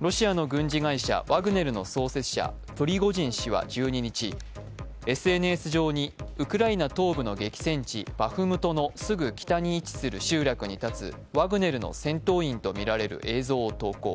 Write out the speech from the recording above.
ロシアの軍事会社ワグネルの創設者、プリゴジン氏は１２日、ＳＮＳ上にウクライナ東部の激戦地バフムトのすぐ北に位置する集落に立つワグネルの戦闘員とみられる映像を投稿。